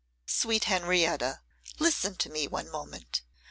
'Sweet Henrietta, listen to me one moment.